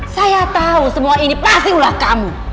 saya tahu semua ini pasti ulah kamu